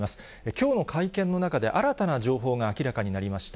きょうの会見の中で、新たな情報が明らかになりました。